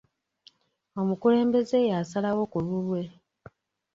Omukulembeze yasalawo ku lulwe.